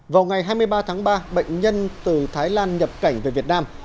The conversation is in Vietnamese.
vào ngày hai mươi ba tháng ba bệnh nhân từ thái lan nhập cảnh về việt nam